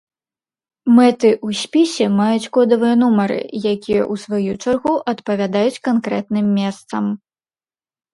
Мэты ў спісе маюць кодавыя нумары, якія ў сваю чаргу адпавядаюць канкрэтным месцам.